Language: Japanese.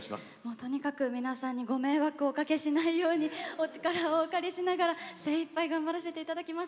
とにかく皆さんにご迷惑をおかけしないようにお力をお借りしながら精いっぱい頑張らせていただきます。